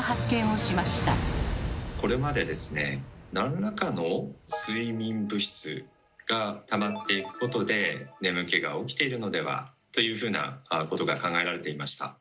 これまでですねなんらかの睡眠物質がたまっていくことで眠気が起きているのでは？というふうなことが考えられていました。